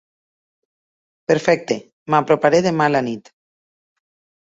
Perfecte, m'aproparé demà a la nit.